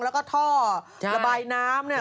แล้วก็ท่อระบายน้ำเนี่ย